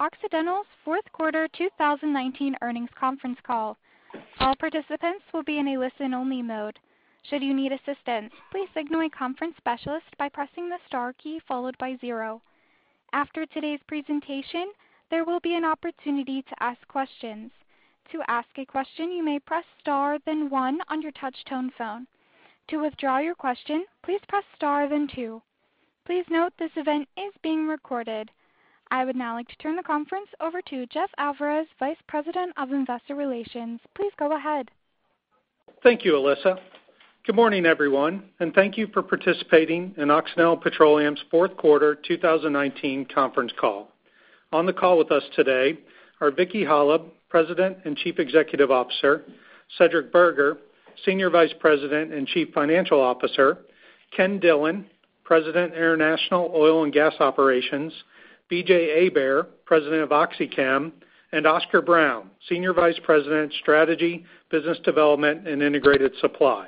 Occidental's Q4 2019 Earnings Conference Call. All participants will be in a listen-only mode. Should you need assistance, please signal a conference specialist by pressing the star key followed by zero. After today's presentation, there will be an opportunity to ask questions. To ask a question, you may press star then one on your touch-tone phone. To withdraw your question, please press star then two. Please note this event is being recorded. I would now like to turn the conference over to Jeff Alvarez, Vice President of Investor Relations. Please go ahead. Thank you, Alisa. Good morning, everyone, and thank you for participating in Occidental Petroleum's Q4 2019 conference call. On the call with us today are Vicki Hollub, President and Chief Executive Officer, Cedric Burgher, Senior Vice President and Chief Financial Officer, Ken Dillon, President, International Oil and Gas Operations, B.J. Hebert, President of OxyChem, and Oscar Brown, Senior Vice President, Strategy, Business Development, and Integrated Supply.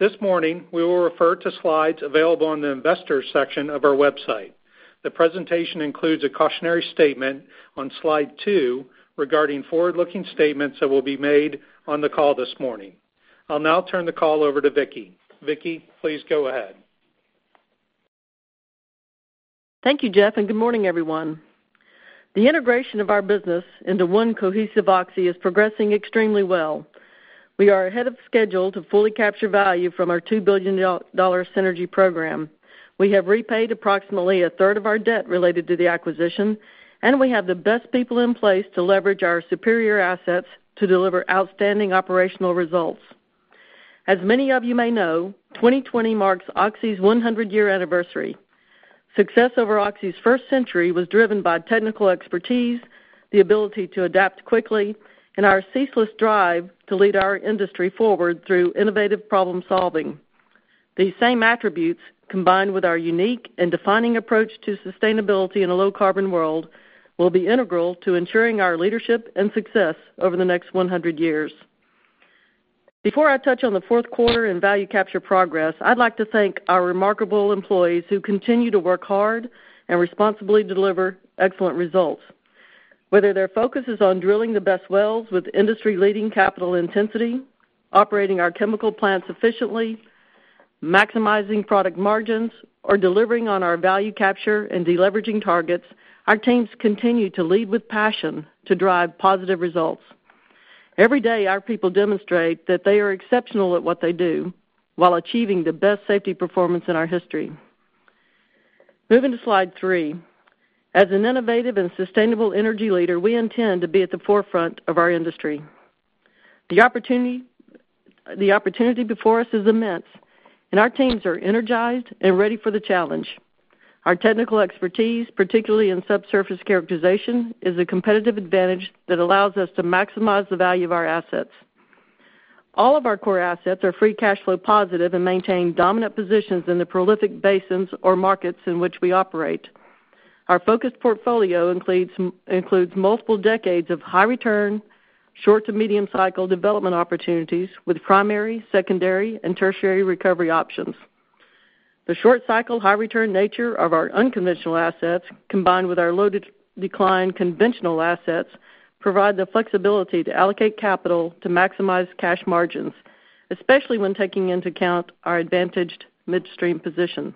This morning, we will refer to slides available on the investors section of our website. The presentation includes a cautionary statement on Slide two regarding forward-looking statements that will be made on the call this morning. I'll now turn the call over to Vicki. Vicki, please go ahead. Thank you, Jeff, and good morning, everyone. The integration of our business into one cohesive Oxy is progressing extremely well. We are ahead of schedule to fully capture value from our $2 billion synergy program. We have repaid approximately a third of our debt related to the acquisition, and we have the best people in place to leverage our superior assets to deliver outstanding operational results. As many of you may know, 2020 marks Oxy's 100-year anniversary. Success over Oxy's first century was driven by technical expertise, the ability to adapt quickly, and our ceaseless drive to lead our industry forward through innovative problem-solving. These same attributes, combined with our unique and defining approach to sustainability in a low-carbon world, will be integral to ensuring our leadership and success over the next 100 years. Before I touch on the Q4 and value capture progress, I'd like to thank our remarkable employees who continue to work hard and responsibly deliver excellent results. Whether their focus is on drilling the best wells with industry-leading capital intensity, operating our chemical plants efficiently, maximizing product margins, or delivering on our value capture and deleveraging targets, our teams continue to lead with passion to drive positive results. Every day, our people demonstrate that they are exceptional at what they do while achieving the best safety performance in our history. Moving to Slide three. As an innovative and sustainable energy leader, we intend to be at the forefront of our industry. The opportunity before us is immense, and our teams are energized and ready for the challenge. Our technical expertise, particularly in subsurface characterization, is a competitive advantage that allows us to maximize the value of our assets. All of our core assets are free cash flow positive and maintain dominant positions in the prolific basins or markets in which we operate. Our focused portfolio includes multiple decades of high return, short to medium cycle development opportunities with primary, secondary, and tertiary recovery options. The short cycle, high return nature of our unconventional assets, combined with our low decline conventional assets, provide the flexibility to allocate capital to maximize cash margins, especially when taking into account our advantaged midstream position.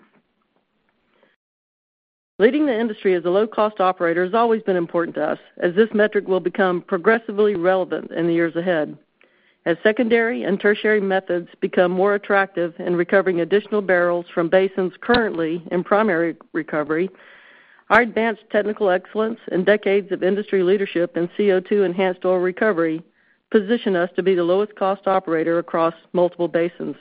Leading the industry as a low-cost operator has always been important to us, as this metric will become progressively relevant in the years ahead. As secondary and tertiary methods become more attractive in recovering additional barrels from basins currently in primary recovery, our advanced technical excellence and decades of industry leadership in CO2 enhanced oil recovery position us to be the lowest cost operator across multiple basins.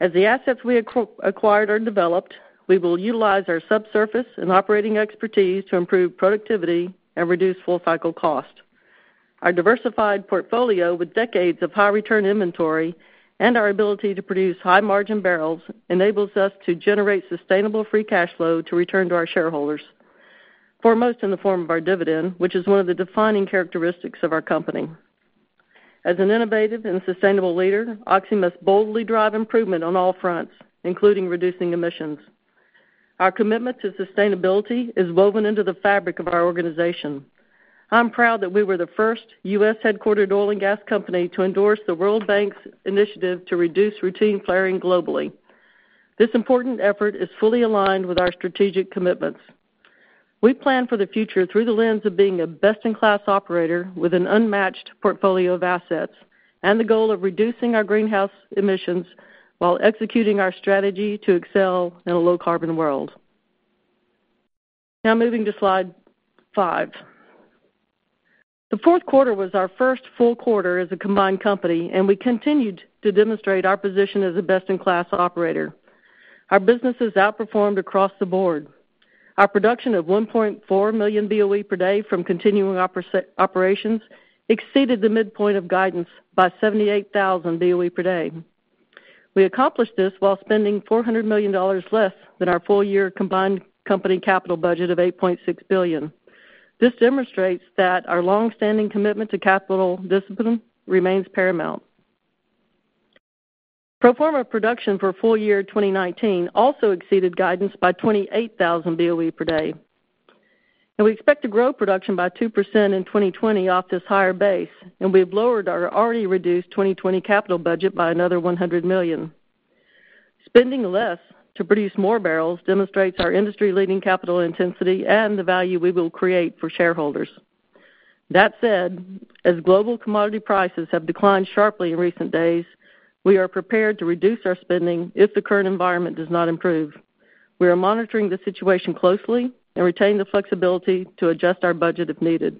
As the assets we acquired are developed, we will utilize our subsurface and operating expertise to improve productivity and reduce full cycle cost. Our diversified portfolio with decades of high return inventory and our ability to produce high margin barrels enables us to generate sustainable free cash flow to return to our shareholders, foremost in the form of our dividend, which is one of the defining characteristics of our company. As an innovative and sustainable leader, Oxy must boldly drive improvement on all fronts, including reducing emissions. Our commitment to sustainability is woven into the fabric of our organization. I'm proud that we were the first U.S.-headquartered oil and gas company to endorse the World Bank's initiative to reduce routine flaring globally. This important effort is fully aligned with our strategic commitments. We plan for the future through the lens of being a best-in-class operator with an unmatched portfolio of assets and the goal of reducing our greenhouse emissions while executing our strategy to excel in a low-carbon world. Moving to Slide 5. The Q4 was our first full quarter as a combined company. We continued to demonstrate our position as a best-in-class operator. Our businesses outperformed across the board. Our production of 1.4 million BOE per day from continuing operations exceeded the midpoint of guidance by 78,000 BOE per day. We accomplished this while spending $400 million less than our full-year combined company capital budget of $8.6 billion. This demonstrates that our long-standing commitment to capital discipline remains paramount. Pro forma production for full year 2019 also exceeded guidance by 28,000 BOE per day. We expect to grow production by 2% in 2020 off this higher base, and we've lowered our already reduced 2020 capital budget by another $100 million. Spending less to produce more barrels demonstrates our industry-leading capital intensity and the value we will create for shareholders. That said, as global commodity prices have declined sharply in recent days, we are prepared to reduce our spending if the current environment does not improve. We are monitoring the situation closely and retain the flexibility to adjust our budget if needed.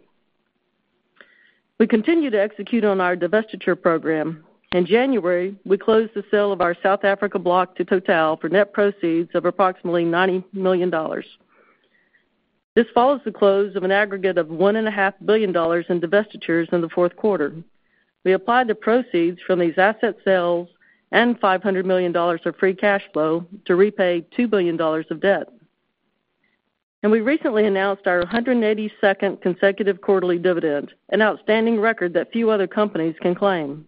We continue to execute on our divestiture program. In January, we closed the sale of our South Africa block to Total for net proceeds of approximately $90 million. This follows the close of an aggregate of $1.5 billion in divestitures in the Q4. We applied the proceeds from these asset sales and $500 million of free cash flow to repay $2 billion of debt. We recently announced our 182nd consecutive quarterly dividend, an outstanding record that few other companies can claim.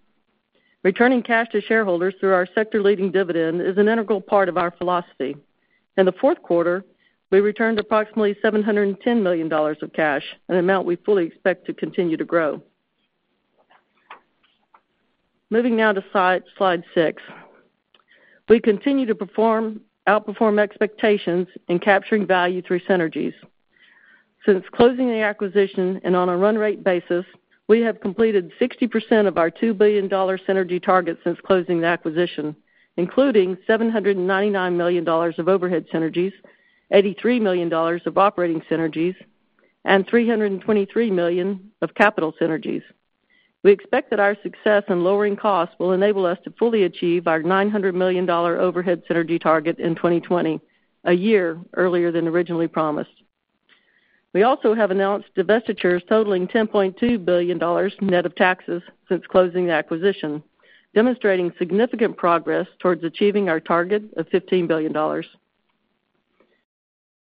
Returning cash to shareholders through our sector-leading dividend is an integral part of our philosophy. In the Q4, we returned approximately $710 million of cash, an amount we fully expect to continue to grow. Moving now to slide six. We continue to outperform expectations in capturing value through synergies. Since closing the acquisition and on a run-rate basis, we have completed 60% of our $2 billion synergy target since closing the acquisition, including $799 million of overhead synergies, $83 million of operating synergies, and $323 million of capital synergies. We expect that our success in lowering costs will enable us to fully achieve our $900 million overhead synergy target in 2020, a year earlier than originally promised. We also have announced divestitures totaling $10.2 billion net of taxes since closing the acquisition, demonstrating significant progress towards achieving our target of $15 billion.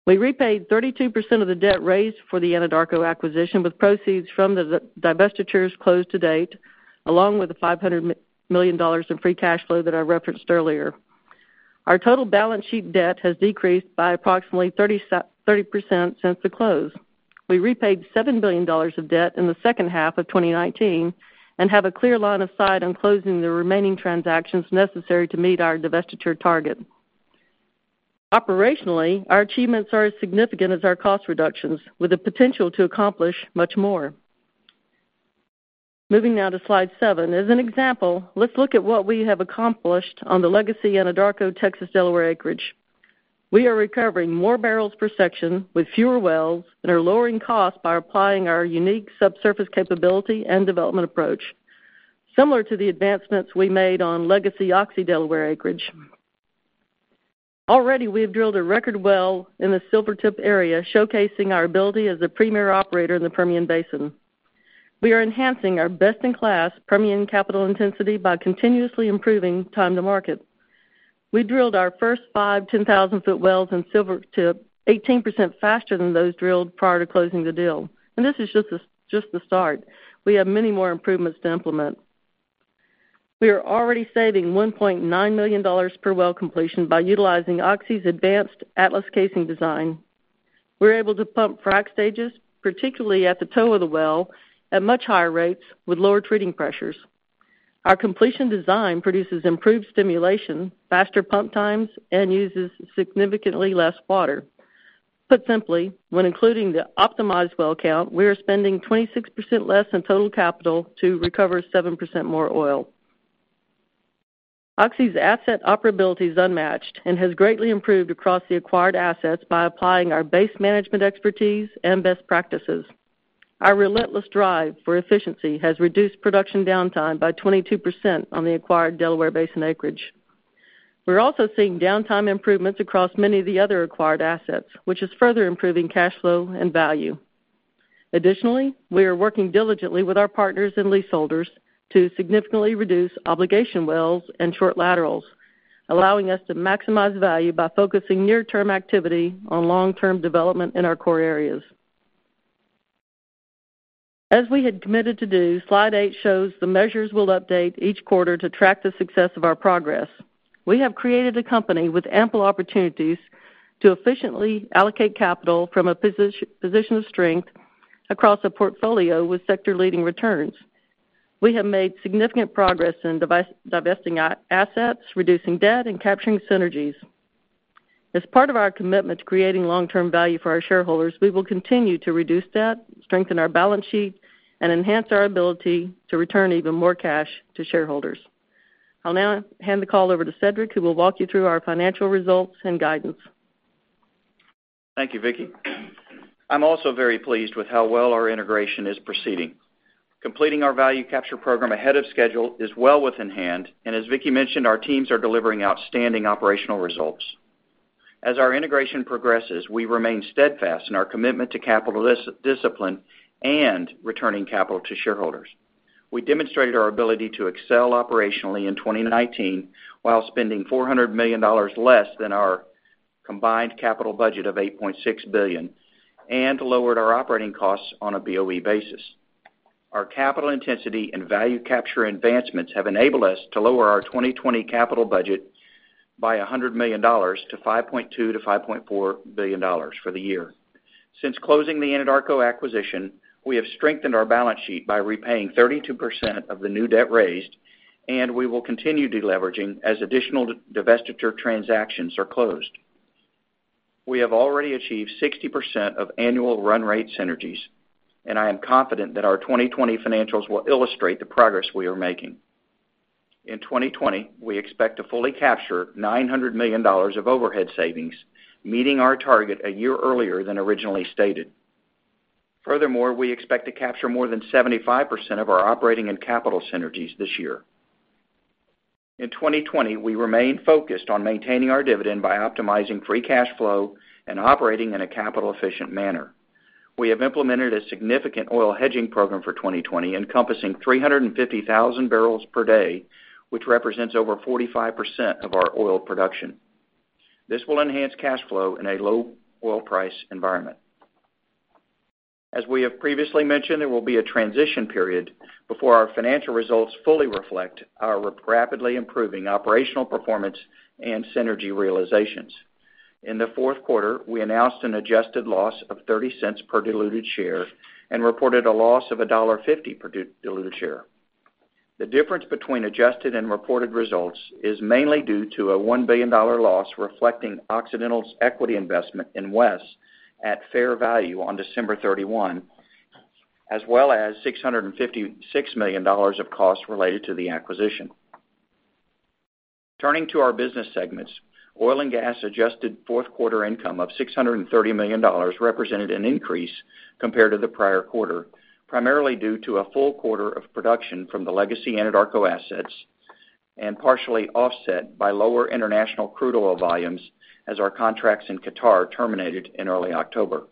We repaid 32% of the debt raised for the Anadarko acquisition with proceeds from the divestitures closed to date, along with the $500 million in free cash flow that I referenced earlier. Our total balance sheet debt has decreased by approximately 30% since the close. We repaid $7 billion of debt in the second half of 2019 and have a clear line of sight on closing the remaining transactions necessary to meet our divestiture target. Operationally, our achievements are as significant as our cost reductions, with the potential to accomplish much more. Moving now to slide seven. As an example, let's look at what we have accomplished on the legacy Anadarko Texas Delaware acreage. We are recovering more barrels per section with fewer wells and are lowering costs by applying our unique subsurface capability and development approach. Similar to the advancements we made on legacy Oxy Delaware acreage. Already, we have drilled a record well in the Silvertip area, showcasing our ability as a premier operator in the Permian Basin. We are enhancing our best-in-class Permian capital intensity by continuously improving time to market. We drilled our first five 10,000-foot wells in Silvertip 18% faster than those drilled prior to closing the deal, and this is just the start. We have many more improvements to implement. We are already saving $1.9 million per well completion by utilizing Oxy's advanced Atlas casing design. We're able to pump frac stages, particularly at the toe of the well, at much higher rates with lower treating pressures. Our completion design produces improved stimulation, faster pump times, and uses significantly less water. Put simply, when including the optimized well count, we are spending 26% less in total capital to recover 7% more oil. Oxy's asset operability is unmatched and has greatly improved across the acquired assets by applying our base management expertise and best practices. Our relentless drive for efficiency has reduced production downtime by 22% on the acquired Delaware Basin acreage. We're also seeing downtime improvements across many of the other acquired assets, which is further improving cash flow and value. Additionally, we are working diligently with our partners and leaseholders to significantly reduce obligation wells and short laterals, allowing us to maximize value by focusing near-term activity on long-term development in our core areas. As we had committed to do, slide eight shows the measures we'll update each quarter to track the success of our progress. We have created a company with ample opportunities to efficiently allocate capital from a position of strength across a portfolio with sector-leading returns. We have made significant progress in divesting assets, reducing debt, and capturing synergies. As part of our commitment to creating long-term value for our shareholders, we will continue to reduce debt, strengthen our balance sheet, and enhance our ability to return even more cash to shareholders. I'll now hand the call over to Cedric, who will walk you through our financial results and guidance. Thank you, Vicki. I'm also very pleased with how well our integration is proceeding. Completing our value capture program ahead of schedule is well within hand, as Vicki mentioned, our teams are delivering outstanding operational results. As our integration progresses, we remain steadfast in our commitment to capital discipline and returning capital to shareholders. We demonstrated our ability to excel operationally in 2019 while spending $400 million less than our combined capital budget of $8.6 billion. Lowered our operating costs on a BOE basis. Our capital intensity and value capture advancements have enabled us to lower our 2020 capital budget by $100 million to $5.2 billion-$5.4 billion for the year. Since closing the Anadarko acquisition, we have strengthened our balance sheet by repaying 32% of the new debt raised, and we will continue deleveraging as additional divestiture transactions are closed. We have already achieved 60% of annual run rate synergies, and I am confident that our 2020 financials will illustrate the progress we are making. In 2020, we expect to fully capture $900 million of overhead savings, meeting our target a year earlier than originally stated. Furthermore, we expect to capture more than 75% of our operating and capital synergies this year. In 2020, we remain focused on maintaining our dividend by optimizing free cash flow and operating in a capital-efficient manner. We have implemented a significant oil hedging program for 2020 encompassing 350,000 barrels per day, which represents over 45% of our oil production. This will enhance cash flow in a low oil price environment. As we have previously mentioned, there will be a transition period before our financial results fully reflect our rapidly improving operational performance and synergy realizations. In the Q4, we announced an adjusted loss of $0.30 per diluted share and reported a loss of $1.50 per diluted share. The difference between adjusted and reported results is mainly due to a $1 billion loss reflecting Occidental's equity investment in WES at fair value on December 31, as well as $656 million of costs related to the acquisition. Turning to our business segments, oil and gas adjusted Q4 income of $630 million represented an increase compared to the prior quarter, primarily due to a full quarter of production from the legacy Anadarko assets and partially offset by lower international crude oil volumes as our contracts in Qatar terminated in early October.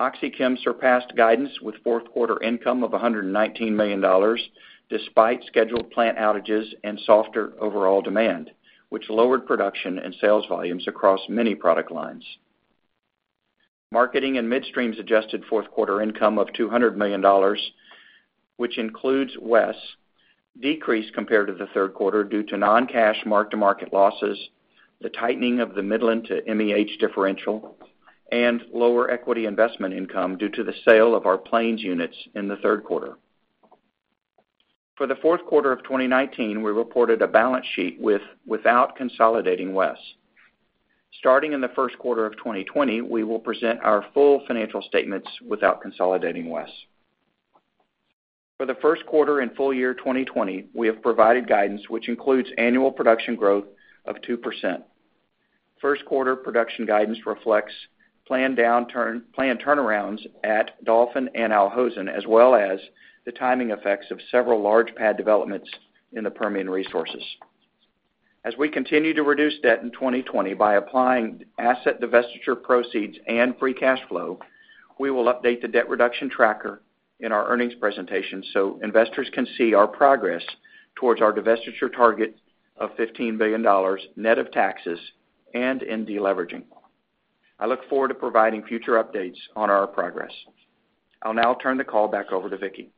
OxyChem surpassed guidance with Q4 income of $119 million despite scheduled plant outages and softer overall demand, which lowered production and sales volumes across many product lines. Marketing and midstream's adjusted Q4 income of $200 million, which includes WES, decreased compared to the Q3 due to non-cash mark-to-market losses, the tightening of the Midland to MEH differential, and lower equity investment income due to the sale of our Plains units in the Q3. For the Q4 of 2019, we reported a balance sheet without consolidating WES. Starting in the Q1 of 2020, we will present our full financial statements without consolidating WES. For the Q1 and full year 2020, we have provided guidance which includes annual production growth of 2%. Q1 production guidance reflects planned turnarounds at Dolphin and Al Hosn, as well as the timing effects of several large pad developments in the Permian Resources. As we continue to reduce debt in 2020 by applying asset divestiture proceeds and free cash flow, we will update the debt reduction tracker in our earnings presentation so investors can see our progress towards our divestiture target of $15 billion net of taxes and in deleveraging. I look forward to providing future updates on our progress. I'll now turn the call back over to Vicki.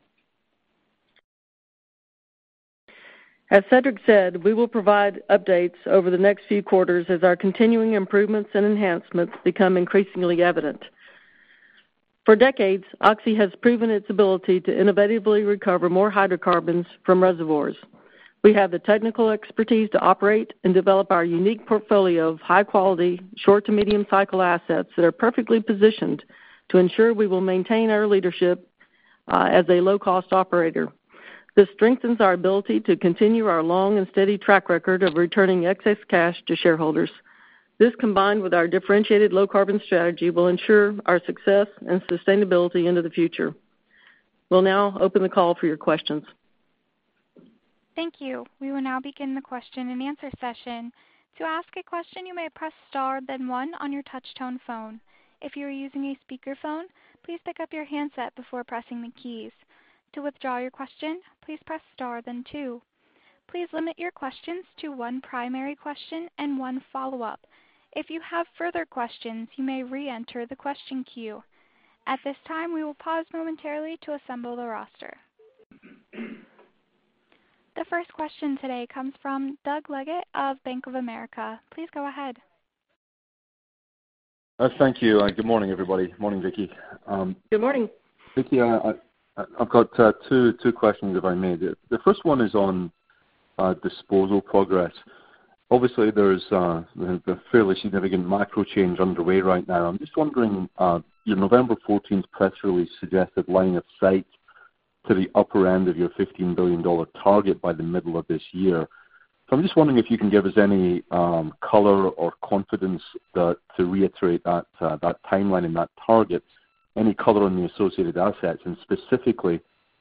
As Cedric said, we will provide updates over the next few quarters as our continuing improvements and enhancements become increasingly evident. For decades, Oxy has proven its ability to innovatively recover more hydrocarbons from reservoirs. We have the technical expertise to operate and develop our unique portfolio of high-quality, short to medium cycle assets that are perfectly positioned to ensure we will maintain our leadership as a low-cost operator. This strengthens our ability to continue our long and steady track record of returning excess cash to shareholders. This, combined with our differentiated low carbon strategy, will ensure our success and sustainability into the future. We will now open the call for your questions. Thank you. We will now begin the question and answer session. To ask a question, you may press star, then one on your touch-tone phone. If you are using a speakerphone, please pick up your handset before pressing the keys. To withdraw your question, please press star, then two. Please limit your questions to one primary question and one follow-up. If you have further questions, you may re-enter the question queue. At this time, we will pause momentarily to assemble the roster. The first question today comes from Doug Leggate of Bank of America. Please go ahead. Thank you, and good morning, everybody. Good morning, Vicki. Good morning. Vicki, I've got two questions, if I may. The first one is on disposal progress. Obviously, there's a fairly significant micro change underway right now. I'm just wondering, your November 14th press release suggested line of sight to the upper end of your $15 billion target by the middle of this year. I'm just wondering if you can give us any color or confidence to reiterate that timeline and that target, any color on the associated assets, and specifically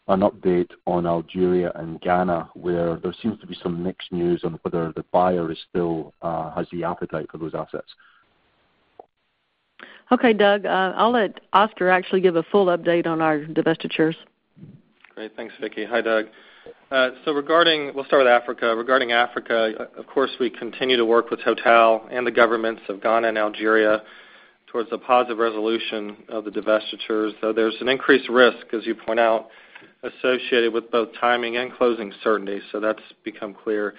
an update on Algeria and Ghana, where there seems to be some mixed news on whether the buyer still has the appetite for those assets. Okay, Doug. I'll let Oscar actually give a full update on our divestitures. Great. Thanks, Vicki. Hi, Doug. We'll start with Africa. Regarding Africa, of course, we continue to work with Total and the governments of Ghana and Algeria towards the positive resolution of the divestitures. Though there's an increased risk, as you point out, associated with both timing and closing certainty, so that's become clear.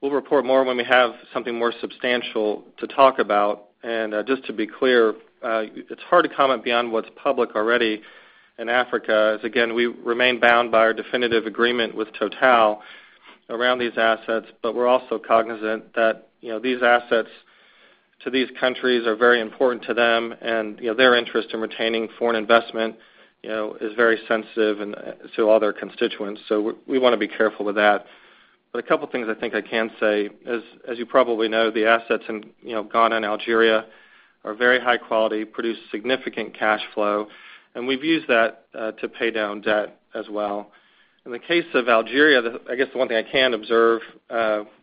We'll report more when we have something more substantial to talk about. Just to be clear, it's hard to comment beyond what's public already in Africa, as again, we remain bound by our definitive agreement with Total around these assets. We're also cognizant that these assets to these countries are very important to them, and their interest in retaining foreign investment is very sensitive to all their constituents. We want to be careful with that. A couple of things I think I can say is, as you probably know, the assets in Ghana and Algeria are very high quality, produce significant cash flow, and we've used that to pay down debt as well. In the case of Algeria, the one thing I can observe,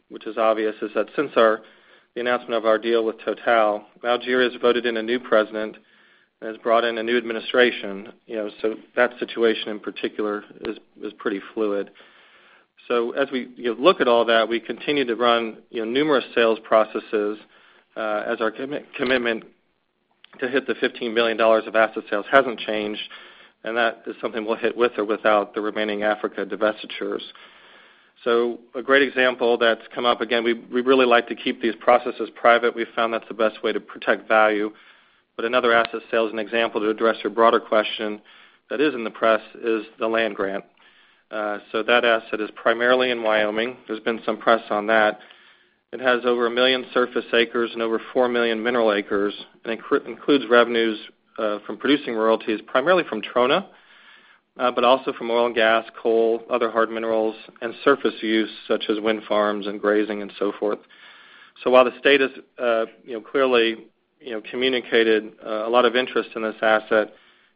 which is obvious, is that since the announcement of our deal with Total, Algeria's voted in a new president, has brought in a new administration. That situation in particular is pretty fluid. As we look at all that, we continue to run numerous sales processes as our commitment to hit the $15 billion of asset sales hasn't changed, and that is something we'll hit with or without the remaining Africa divestitures. A great example that's come up, again, we really like to keep these processes private. We've found that's the best way to protect value. Another asset sale as an example to address your broader question that is in the press is the land grant. That asset is primarily in Wyoming. There's been some press on that. It has over 1 million surface acres and over 4 million mineral acres, and includes revenues from producing royalties, primarily from Trona. Also from oil and gas, coal, other hard minerals, and surface use, such as wind farms and grazing and so forth. While the state has clearly communicated a lot of interest in this asset,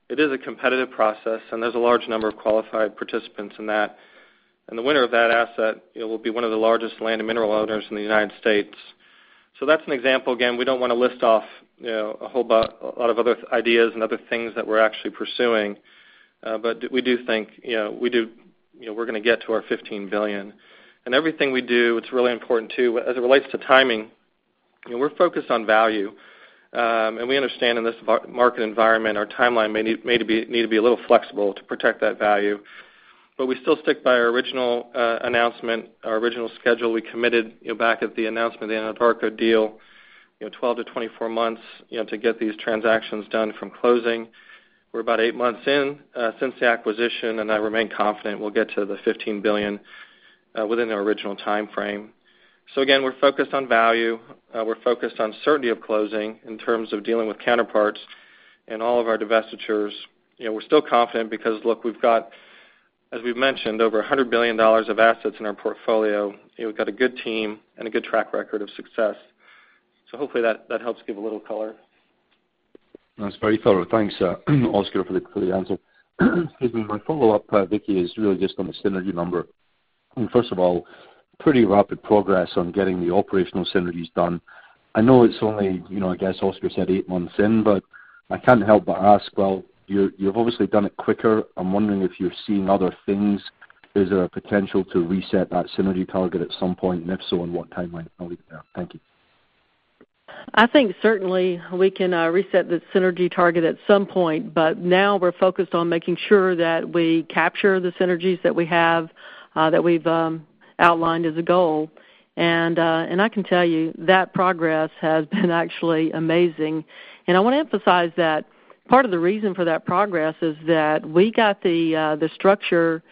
it is a competitive process, and there's a large number of qualified participants in that. The winner of that asset will be one of the largest land and mineral owners in the United States. That's an example. Again, we don't want to list off a whole lot of other ideas and other things that we're actually pursuing. We do think we're going to get to our $15 billion. Everything we do, it's really important, too, as it relates to timing. We're focused on value. We understand in this market environment, our timeline may need to be a little flexible to protect that value. We still stick by our original announcement, our original schedule we committed back at the announcement of the Anadarko deal, 12 months-24 months to get these transactions done from closing. We're about eight months in since the acquisition, and I remain confident we'll get to the $15 billion within the original timeframe. Again, we're focused on value. We're focused on certainty of closing in terms of dealing with counterparts in all of our divestitures. We're still confident because, look, we've got, as we've mentioned, over $100 billion of assets in our portfolio. We've got a good team and a good track record of success. Hopefully that helps give a little color. That's very thorough. Thanks, Oscar, for the answer. Excuse me. My follow-up, Vicki, is really just on the synergy number. First of all, pretty rapid progress on getting the operational synergies done. I know it's only, I guess Oscar said eight months in, but I can't help but ask, well, you've obviously done it quicker. I'm wondering if you're seeing other things. Is there a potential to reset that synergy target at some point? If so, on what timeline? I'll leave it there. Thank you. I think certainly we can reset the synergy target at some point, but now we're focused on making sure that we capture the synergies that we have, that we've outlined as a goal. I can tell you that progress has been actually amazing. I want to emphasize that part of the reason for that progress is that we got the structure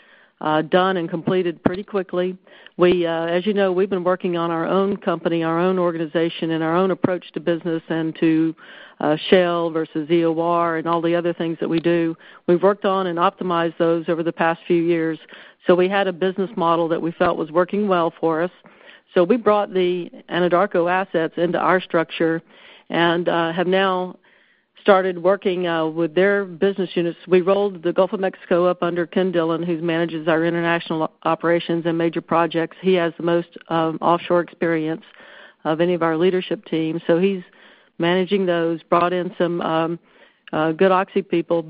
done and completed pretty quickly. As you know, we've been working on our own company, our own organization, and our own approach to business and to shale versus EOR and all the other things that we do. We've worked on and optimized those over the past few years. We had a business model that we felt was working well for us. We brought the Anadarko assets into our structure and have now started working with their business units. We rolled the Gulf of Mexico up under Ken Dillon, who manages our international operations and major projects. He has the most offshore experience of any of our leadership team. He's managing those, brought in some good Oxy people.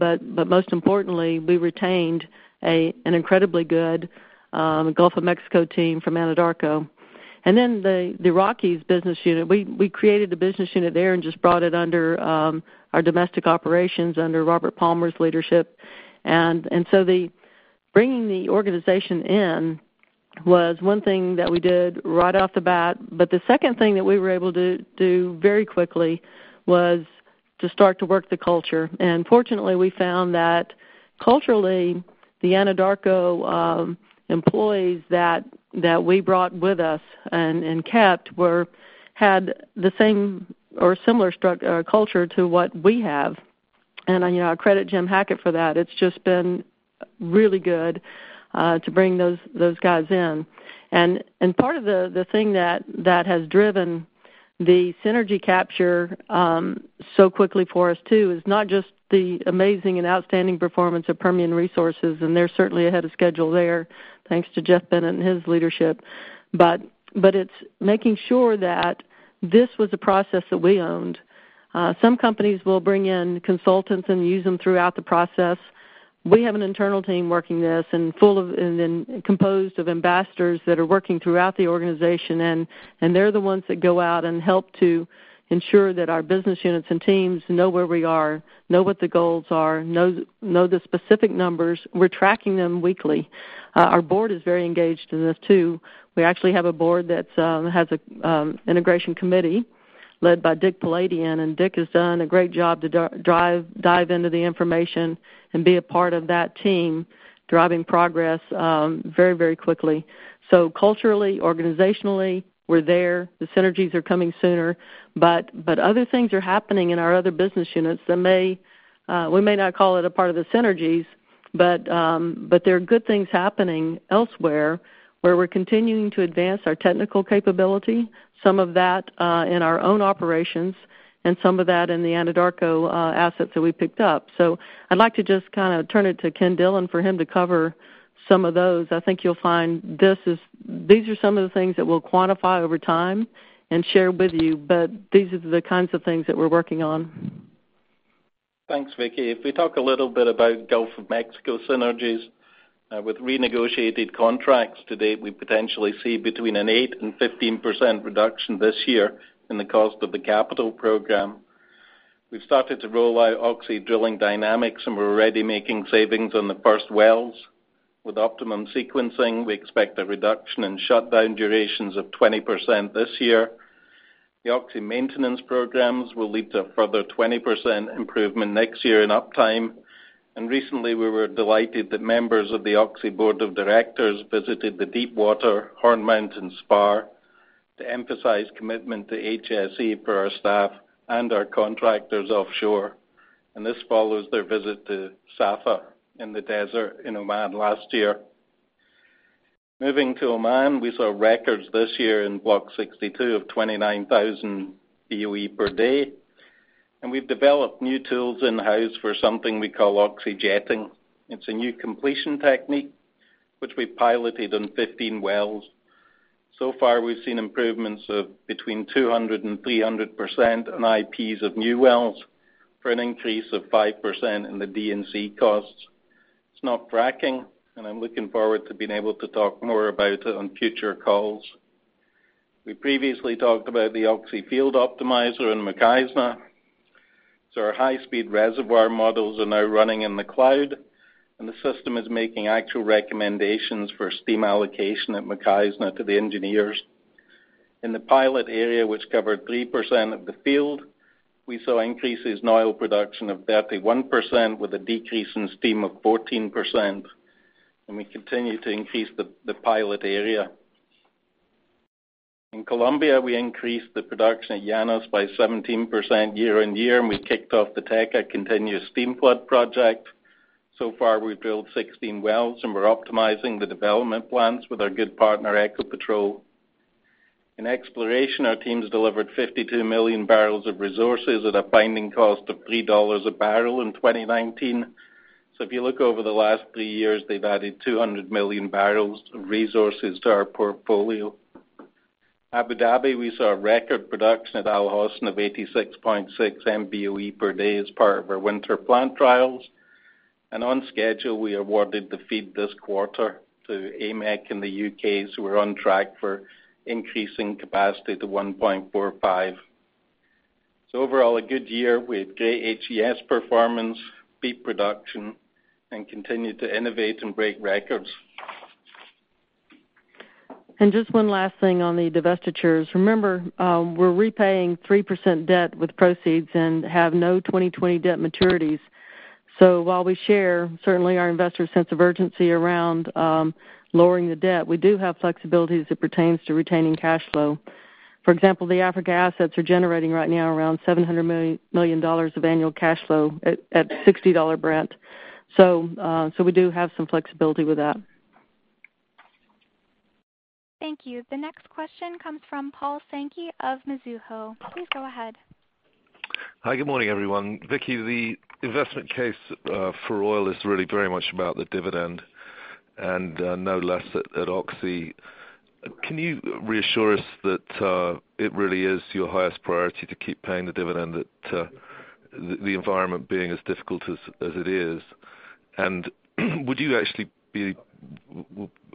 Most importantly, we retained an incredibly good Gulf of Mexico team from Anadarko. Then the Rockies business unit, we created the business unit there and just brought it under our domestic operations under Robert Palmer's leadership. Bringing the organization in was one thing that we did right off the bat. The second thing that we were able to do very quickly was to start to work the culture. Fortunately, we found that culturally, the Anadarko employees that we brought with us and kept had the same or similar culture to what we have. I credit Jim Hackett for that. It's just been really good to bring those guys in. Part of the thing that has driven the synergy capture so quickly for us, too, is not just the amazing and outstanding performance of Permian Resources, and they're certainly ahead of schedule there, thanks to Jeff Bennett and his leadership. It's making sure that this was a process that we owned. Some companies will bring in consultants and use them throughout the process. We have an internal team working this and composed of ambassadors that are working throughout the organization, and they're the ones that go out and help to ensure that our business units and teams know where we are, know what the goals are, know the specific numbers. We're tracking them weekly. Our board is very engaged in this too. We actually have a board that has an integration committee led by Dick Poladian. Dick has done a great job to dive into the information and be a part of that team, driving progress very quickly. Culturally, organizationally, we're there. The synergies are coming sooner. Other things are happening in our other business units that we may not call it a part of the synergies, but there are good things happening elsewhere where we're continuing to advance our technical capability, some of that in our own operations and some of that in the Anadarko assets that we picked up. I'd like to just turn it to Ken Dillon for him to cover some of those. I think you'll find these are some of the things that we'll quantify over time and share with you, but these are the kinds of things that we're working on. Thanks, Vicki. If we talk a little bit about Gulf of Mexico synergies with renegotiated contracts to date, we potentially see between an 8% and 15% reduction this year in the cost of the capital program. We've started to roll out Oxy Drilling Dynamics, and we're already making savings on the first wells. With optimum sequencing, we expect a reduction in shutdown durations of 20% this year. The Oxy maintenance programs will lead to a further 20% improvement next year in uptime. Recently, we were delighted that members of the Oxy board of directors visited the Deepwater Horn Mountain Spar to emphasize commitment to HSE for our staff and our contractors offshore. This follows their visit to Safah in the desert in Oman last year. Moving to Oman, we saw records this year in Block 62 of 29,000 BOE per day, and we've developed new tools in-house for something we call Oxy Jetting. It's a new completion technique, which we piloted on 15 wells. So far, we've seen improvements of between 200% and 300% on IPs of new wells for an increase of 5% in the D&C costs. It's not fracking, and I'm looking forward to being able to talk more about it on future calls. We previously talked about the Oxy Field Optimizer in Mukhaizna. Our high-speed reservoir models are now running in the cloud, and the system is making actual recommendations for steam allocation at Mukhaizna to the engineers. In the pilot area, which covered 3% of the field, we saw increases in oil production of 31% with a decrease in steam of 14%, and we continue to increase the pilot area. In Colombia, we increased the production at Llanos by 17% year-on-year, and we kicked off the Teca continuous steam flood project. Far, we've drilled 16 wells, and we're optimizing the development plans with our good partner, Ecopetrol. In exploration, our teams delivered 52 million barrels of resources at a binding cost of $3 a barrel in 2019. If you look over the last three years, they've added 200 million barrels of resources to our portfolio. Abu Dhabi, we saw a record production at Al Hosn of 86.6 MBOE per day as part of our winter plant trials. On schedule, we awarded the FEED this quarter to AMEC in the U.K. We're on track for increasing capacity to 1.45. Overall, a good year. We had great HES performance, beat production, and continued to innovate and break records. Just one last thing on the divestitures. Remember, we're repaying 3% debt with proceeds and have no 2020 debt maturities. While we share certainly our investors' sense of urgency around lowering the debt, we do have flexibility as it pertains to retaining cash flow. For example, the Africa assets are generating right now around $700 million of annual cash flow at $60 Brent. We do have some flexibility with that. Thank you. The next question comes from Paul Sankey of Mizuho. Please go ahead. Hi. Good morning, everyone. Vicki, the investment case for oil is really very much about the dividend and no less at Oxy. Can you reassure us that it really is your highest priority to keep paying the dividend, the environment being as difficult as it is? Would you actually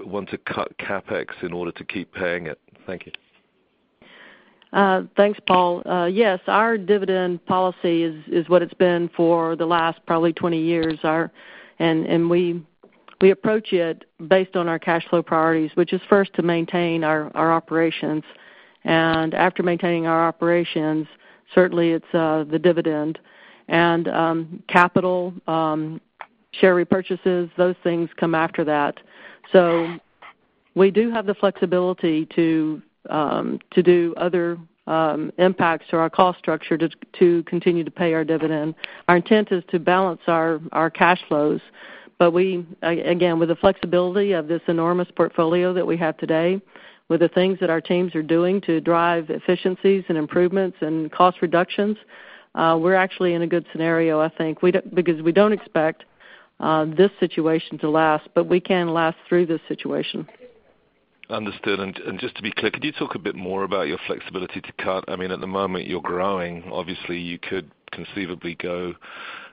want to cut CapEx in order to keep paying it? Thank you. Thanks, Paul. Yes, our dividend policy is what it's been for the last probably 20 years. We approach it based on our cash flow priorities, which is first to maintain our operations. After maintaining our operations, certainly it's the dividend, and capital share repurchases, those things come after that. We do have the flexibility to do other impacts to our cost structure to continue to pay our dividend. Our intent is to balance our cash flows. Again, with the flexibility of this enormous portfolio that we have today, with the things that our teams are doing to drive efficiencies and improvements and cost reductions, we're actually in a good scenario, I think because we don't expect this situation to last, but we can last through this situation. Understood. Just to be clear, could you talk a bit more about your flexibility to cut? At the moment you're growing, obviously you could conceivably go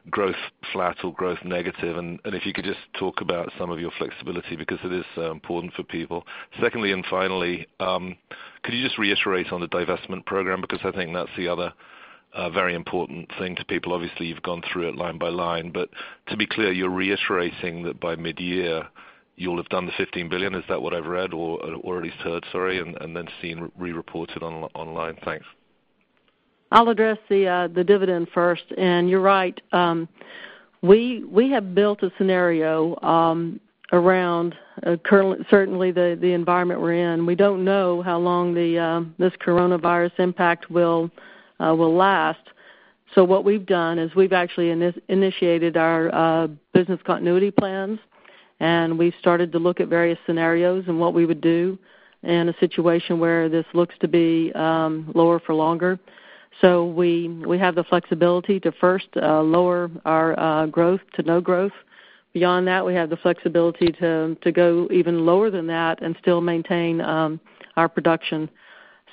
growth flat or growth negative, and if you could just talk about some of your flexibility, because it is important for people. Secondly, finally, could you just reiterate on the divestment program? I think that's the other very important thing to people. Obviously, you've gone through it line by line, but to be clear, you're reiterating that by mid-year you'll have done the $15 billion. Is that what I've read or at least heard, sorry, and then seen re-reported online? Thanks. I'll address the dividend first, and you're right. We have built a scenario around certainly the environment we're in. We don't know how long this coronavirus impact will last. What we've done is we've actually initiated our business continuity plans, and we've started to look at various scenarios and what we would do in a situation where this looks to be lower for longer. We have the flexibility to first lower our growth to no growth. Beyond that, we have the flexibility to go even lower than that and still maintain our production.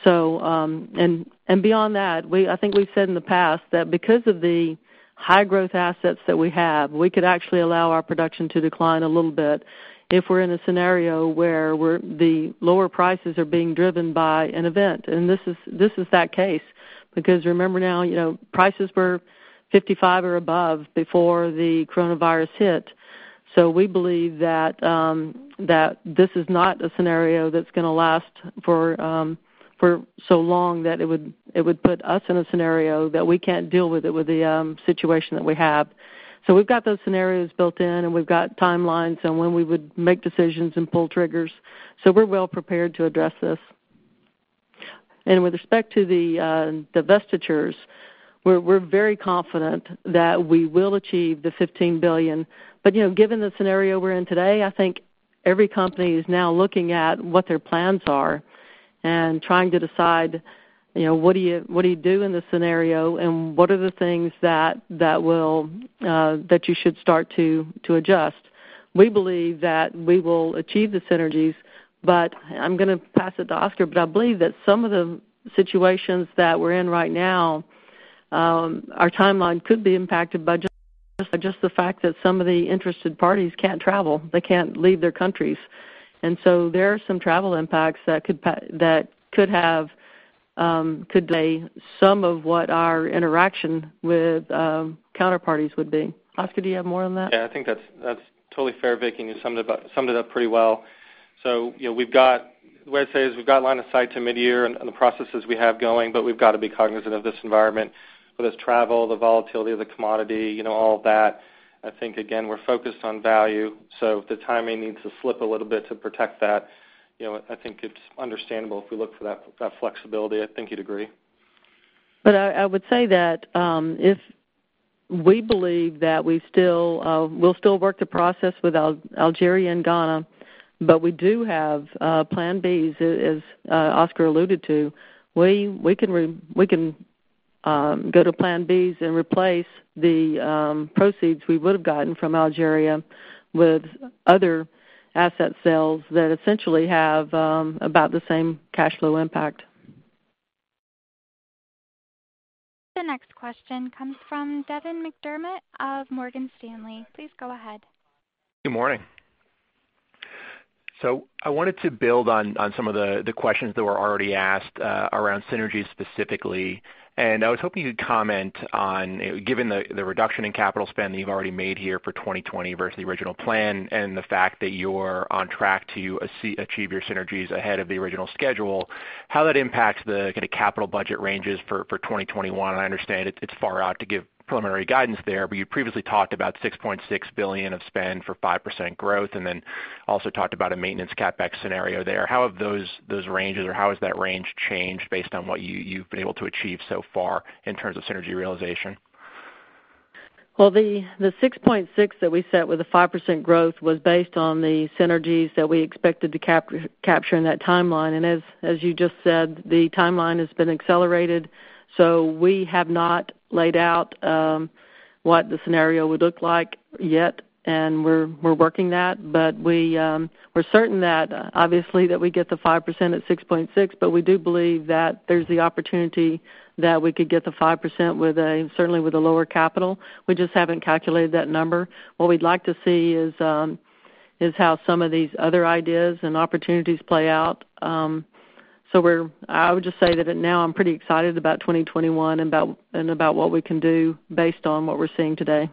Beyond that, I think we've said in the past that because of the high-growth assets that we have, we could actually allow our production to decline a little bit if we're in a scenario where the lower prices are being driven by an event. This is that case, because remember now, prices were $55 or above before the coronavirus hit. We believe that this is not a scenario that's going to last for so long that it would put us in a scenario that we can't deal with the situation that we have. We've got those scenarios built in, and we've got timelines on when we would make decisions and pull triggers. We're well prepared to address this. With respect to the divestitures, we're very confident that we will achieve the $15 billion. Given the scenario we're in today, I think every company is now looking at what their plans are and trying to decide, what do you do in this scenario, and what are the things that you should start to adjust? We believe that we will achieve the synergies, but I'm going to pass it to Oscar. I believe that some of the situations that we're in right now, our timeline could be impacted by just the fact that some of the interested parties can't travel. They can't leave their countries. There are some travel impacts that could delay some of what our interaction with counterparties would be. Oscar, do you have more on that? Yeah, I think that's totally fair. Vicki, you summed it up pretty well. The way I'd say is we've got line of sight to mid-year and the processes we have going, but we've got to be cognizant of this environment with this travel, the volatility of the commodity, all of that. I think, again, we're focused on value, so if the timing needs to slip a little bit to protect that, I think it's understandable if we look for that flexibility. I think you'd agree. I would say that we believe that we'll still work the process with Algeria and Ghana, but we do have plan Bs, as Oscar alluded to. We can go to plan Bs and replace the proceeds we would have gotten from Algeria with other asset sales that essentially have about the same cash flow impact. The next question comes from Devin McDermott of Morgan Stanley. Please go ahead. Good morning. I wanted to build on some of the questions that were already asked around synergies specifically, and I was hoping you could comment on, given the reduction in capital spend that you've already made here for 2020 versus the original plan and the fact that you're on track to achieve your synergies ahead of the original schedule, how that impacts the capital budget ranges for 2021. I understand it's far out to give preliminary guidance there, you previously talked about $6.6 billion of spend for 5% growth and then also talked about a maintenance CapEx scenario there. How have those ranges, or how has that range changed based on what you've been able to achieve so far in terms of synergy realization? Well, the $6.6 that we set with a 5% growth was based on the synergies that we expected to capture in that timeline. As you just said, the timeline has been accelerated. We have not laid out what the scenario would look like yet, and we're working that. We're certain that obviously that we get the 5% at $6.6, but we do believe that there's the opportunity that we could get the 5% certainly with a lower capital. We just haven't calculated that number. What we'd like to see is how some of these other ideas and opportunities play out. I would just say that now I'm pretty excited about 2021 and about what we can do based on what we're seeing today.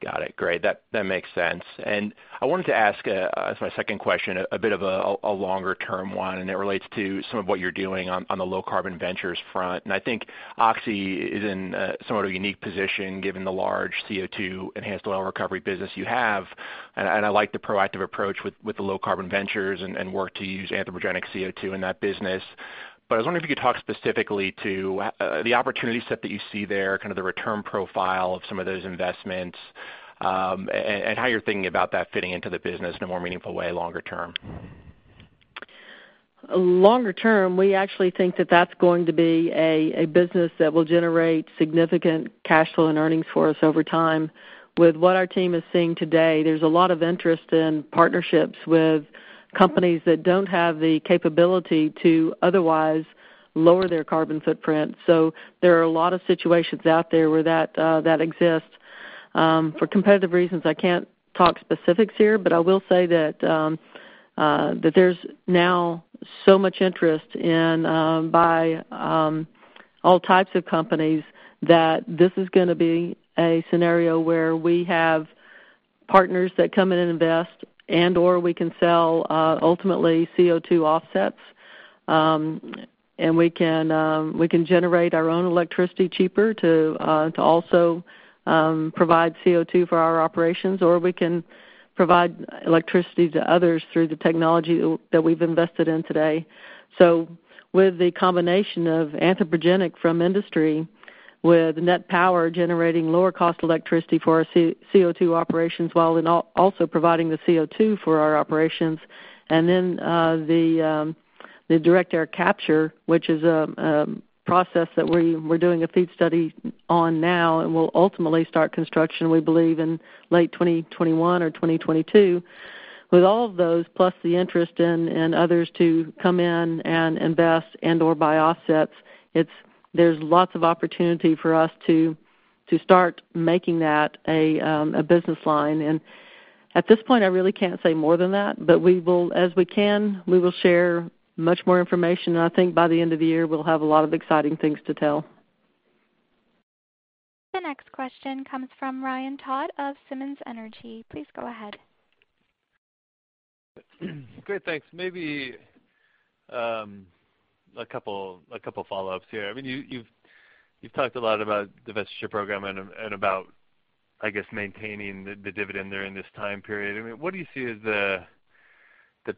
Got it. Great. That makes sense. I wanted to ask as my second question, a bit of a longer-term one, and it relates to some of what you're doing on the low-carbon ventures front. I think Oxy is in somewhat of a unique position given the large CO2 enhanced oil recovery business you have, and I like the proactive approach with the low-carbon ventures and work to use anthropogenic CO2 in that business. I was wondering if you could talk specifically to the opportunity set that you see there, the return profile of some of those investments, and how you're thinking about that fitting into the business in a more meaningful way longer term. Longer term, we actually think that that's going to be a business that will generate significant cash flow and earnings for us over time. With what our team is seeing today, there's a lot of interest in partnerships with companies that don't have the capability to otherwise lower their carbon footprint. There are a lot of situations out there where that exists. For competitive reasons, I can't talk specifics here, but I will say that there's now so much interest by all types of companies that this is going to be a scenario where we have partners that come in and invest, and/or we can sell ultimately CO2 offsets. We can generate our own electricity cheaper to also provide CO2 for our operations, or we can provide electricity to others through the technology that we've invested in today. With the combination of anthropogenic from industry, with NET Power generating lower cost electricity for our CO2 operations, while also providing the CO2 for our operations, then the direct air capture, which is a process that we're doing a FEED study on now and will ultimately start construction, we believe in late 2021 or 2022. With all of those, plus the interest in others to come in and invest and/or buy offsets, there's lots of opportunity for us to start making that a business line. At this point, I really can't say more than that, but as we can, we will share much more information, and I think by the end of the year, we'll have a lot of exciting things to tell. The next question comes from Ryan Todd of Simmons Energy. Please go ahead. Great. Thanks. Maybe a couple follow-ups here. You've talked a lot about the divestiture program and about, I guess, maintaining the dividend there in this time period. What do you see as the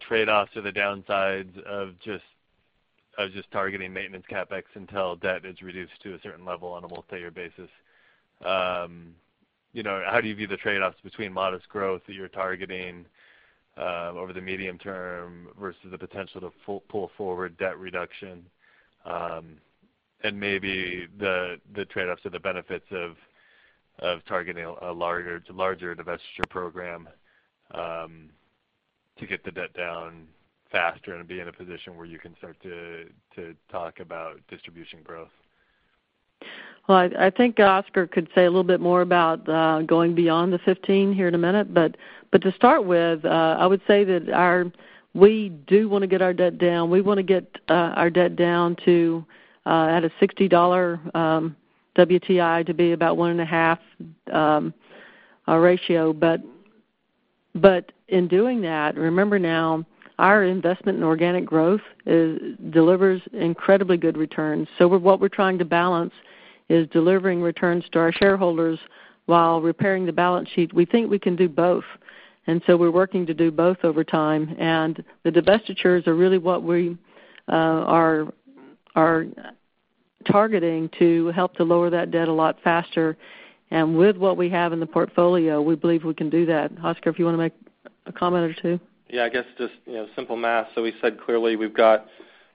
trade-offs or the downsides of just targeting maintenance CapEx until debt is reduced to a certain level on a multi-year basis? How do you view the trade-offs between modest growth that you're targeting over the medium term versus the potential to pull forward debt reduction? Maybe the trade-offs or the benefits of targeting a larger divestiture program to get the debt down faster and be in a position where you can start to talk about distribution growth? I think Oscar could say a little bit more about going beyond the 15 here in a minute. To start with, I would say that we do want to get our debt down. We want to get our debt down to at a $60 WTI to be about 1.5 ratio. In doing that, remember now, our investment in organic growth delivers incredibly good returns. What we're trying to balance is delivering returns to our shareholders while repairing the balance sheet. We think we can do both, we're working to do both over time. The divestitures are really what we are targeting to help to lower that debt a lot faster. With what we have in the portfolio, we believe we can do that. Oscar, if you want to make a comment or two. I guess just simple math. Clearly, we've got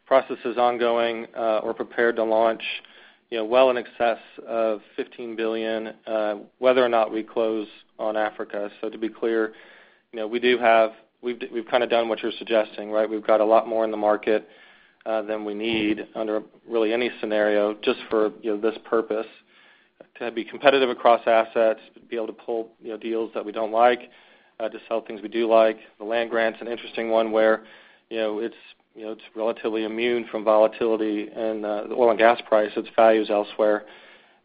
processes ongoing. We're prepared to launch well in excess of $15 billion, whether or not we close on Africa. To be clear, we've kind of done what you're suggesting, right? We've got a lot more in the market than we need under really any scenario, just for this purpose, to be competitive across assets, to be able to pull deals that we don't like, to sell things we do like. The land grant's an interesting one where it's relatively immune from volatility and the oil and gas price. Its value is elsewhere.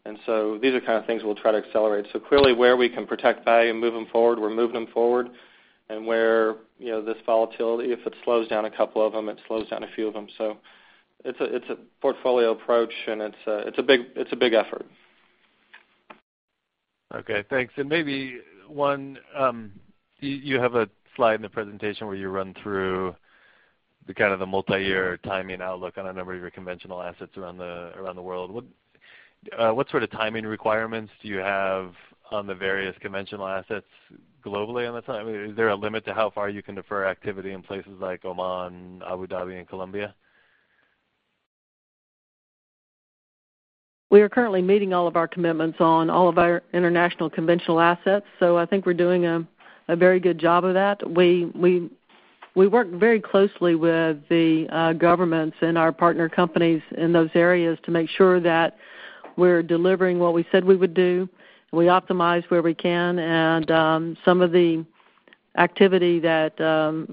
These are kind of things we'll try to accelerate. Clearly, where we can protect value and move them forward, we're moving them forward. Where this volatility, if it slows down a couple of them, it slows down a few of them. It's a portfolio approach, and it's a big effort. Okay, thanks. Maybe one, you have a slide in the presentation where you run through the kind of the multi-year timing outlook on a number of your conventional assets around the world. What sort of timing requirements do you have on the various conventional assets globally on the timing? Is there a limit to how far you can defer activity in places like Oman, Abu Dhabi, and Colombia? We are currently meeting all of our commitments on all of our international conventional assets. I think we're doing a very good job of that. We work very closely with the governments and our partner companies in those areas to make sure that we're delivering what we said we would do. We optimize where we can, and some of the activity that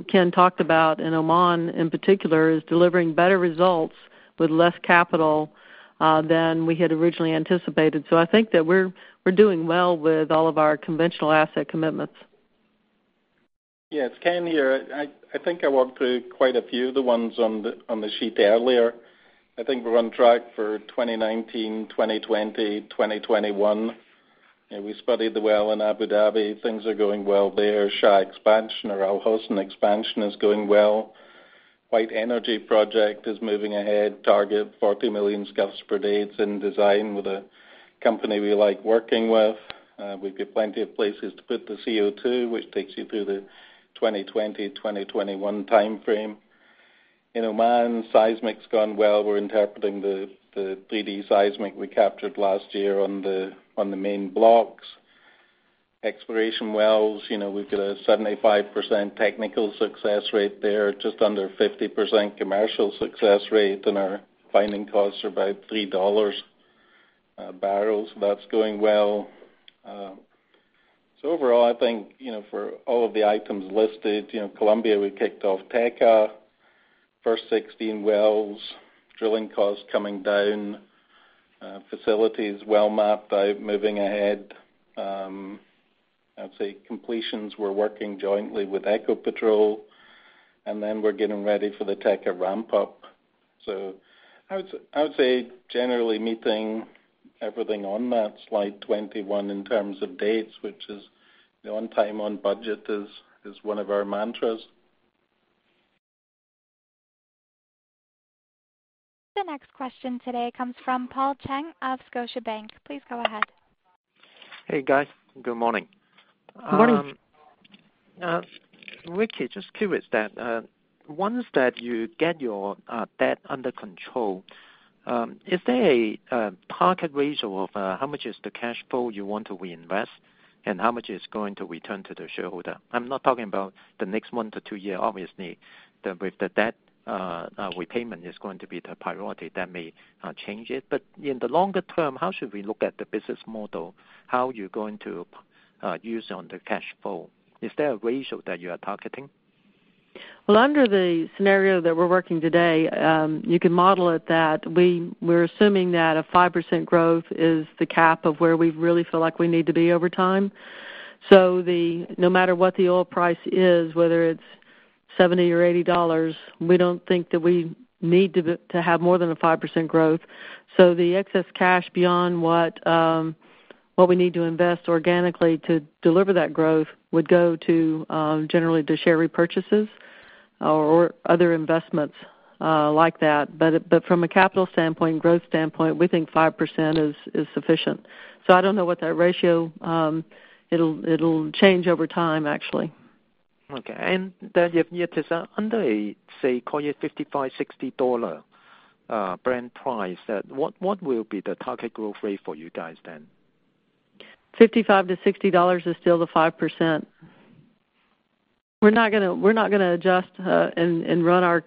Ken talked about in Oman, in particular, is delivering better results with less capital than we had originally anticipated. I think that we're doing well with all of our conventional asset commitments. Yes. Ken here. I think I walked through quite a few of the ones on the sheet earlier. I think we're on track for 2019, 2020, 2021. We spudded the well in Abu Dhabi. Things are going well there. Shah expansion or Al Hosn expansion is going well. White Energy project is moving ahead. Target 40 million scf per day. It's in design with a company we like working with. We've got plenty of places to put the CO₂, which takes you through the 2020, 2021 timeframe. Man seismic's gone well. We're interpreting the 3D seismic we captured last year on the main blocks. Exploration wells, we've got a 75% technical success rate there, just under 50% commercial success rate, and our finding costs are about $3 a barrel. That's going well. Overall, I think, for all of the items listed, Colombia, we kicked off Teca, first 16 wells, drilling costs coming down. Facility is well mapped out, moving ahead. I'd say completions, we're working jointly with Ecopetrol, and then we're getting ready for the Teca ramp up. I would say generally meeting everything on that slide 21 in terms of dates, which is on time, on budget is one of our mantras. The next question today comes from Paul Cheng of Scotiabank. Please go ahead. Hey, guys. Good morning. Good morning. Now, Vicki, just curious that, once that you get your debt under control, is there a target ratio of how much is the cash flow you want to reinvest and how much is going to return to the shareholder? I'm not talking about the next one to two year, obviously, with the debt repayment is going to be the priority. That may change it. In the longer term, how should we look at the business model? How you're going to use on the cash flow? Is there a ratio that you are targeting? Well, under the scenario that we're working today, you can model it that we're assuming that a 5% growth is the cap of where we really feel like we need to be over time. No matter what the oil price is, whether it's $70 or $80, we don't think that we need to have more than a 5% growth. The excess cash beyond what we need to invest organically to deliver that growth would go to, generally, the share repurchases or other investments like that. From a capital standpoint and growth standpoint, we think 5% is sufficient. I don't know what that, it'll change over time, actually. Okay. Then if under a, say, call it $55, $60 Brent price, what will be the target growth rate for you guys then? $55-$60 is still the 5%. We're not going to adjust and run our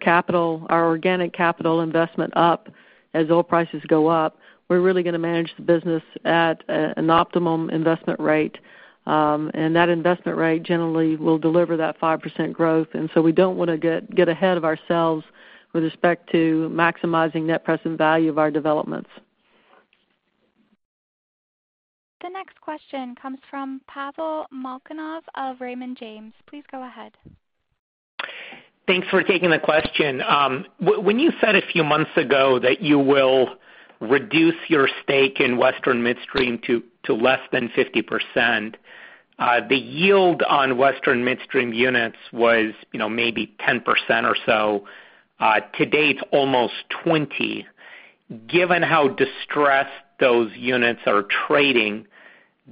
organic capital investment up as oil prices go up. We're really going to manage the business at an optimum investment rate. That investment rate generally will deliver that 5% growth. We don't want to get ahead of ourselves with respect to maximizing net present value of our developments. The next question comes from Pavel Molchanov of Raymond James. Please go ahead. Thanks for taking the question. When you said a few months ago that you will reduce your stake in Western Midstream to less than 50%, the yield on Western Midstream units was maybe 10% or so. To date, almost 20. Given how distressed those units are trading,